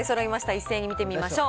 一斉に見てみましょう。